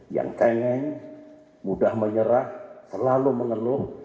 yang kengeng mudah menyerah selalu mengeluh